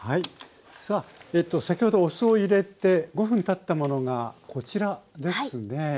さあ先ほどお酢を入れて５分たったものがこちらですね。